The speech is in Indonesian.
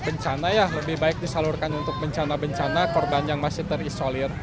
bencana ya lebih baik disalurkan untuk bencana bencana korban yang masih terisolir